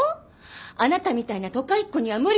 あなたみたいな都会っ子には無理です！